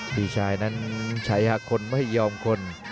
พี่ชายนั้นชายหาคนไม่ยอมคน